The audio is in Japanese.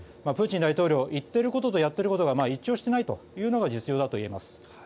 プーチン大統領は言っていることとやっていることが一致をしていないというのが実情だといえます。